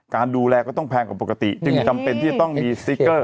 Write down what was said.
การดูแลก็ต้องแพงกว่าปกติจึงจำเป็นที่จะต้องมีสติ๊กเกอร์